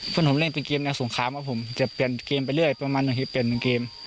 เพื่อนผมเล่นเป็นเกมในสงครามครับผมจะเปลี่ยนเกมไปเรื่อยประมาณ๑อาทิตย์เปลี่ยน๑เกม